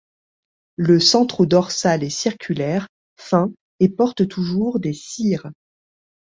Le centrodorsal est circulaire, fin, et porte toujours des cirrhes.